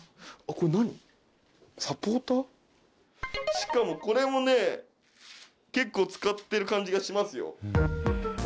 しかもこれもね結構使ってる感じがしますよ。